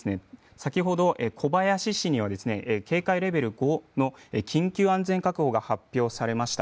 先ほど小林市にはですね警戒レベル５の緊急安全確保が発表されました。